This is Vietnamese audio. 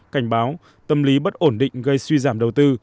cảnh báo tâm lý bất ổn định gây suy giảm đầu tư